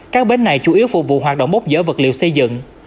các bến này chủ yếu phục vụ hoạt động bốc dở vật liệu xây dựng